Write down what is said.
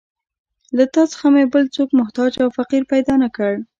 له تا څخه مې بل څوک محتاج او فقیر پیدا نه کړ.